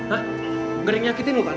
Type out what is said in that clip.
nggak ada yang nyakitin lo kan